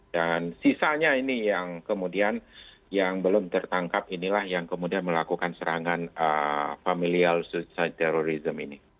dan sisanya ini yang kemudian yang belum tertangkap inilah yang kemudian melakukan serangan familial suicide terrorism ini